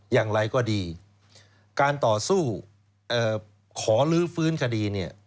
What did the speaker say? อย่างไรก็ดีการต่อสู้ขอลื้อฟื้นคดีเนี่ย